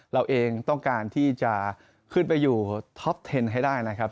เราเองต้องการที่จะขึ้นไปอยู่ท็อปเทนให้ได้นะครับ